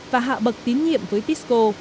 và hạ bậc tiến nhiệm với tisco